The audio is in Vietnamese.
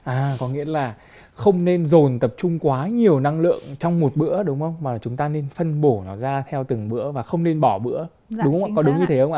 à có nghĩa là không nên dồn tập trung quá nhiều năng lượng trong một bữa đúng không mà chúng ta nên phân bổ nó ra theo từng bữa và không nên bỏ bữa đúng không ạ có đúng như thế không ạ